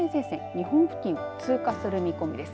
日本付近、通過する見込みです。